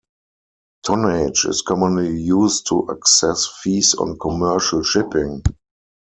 Tonnage is commonly used to assess fees on commercial shipping.